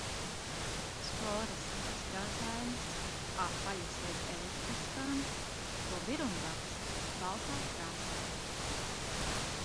Sporas bezkrāsainas, apaļas līdz eliptiskām, to birumraksts baltā krāsā.